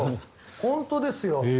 本当ですよ。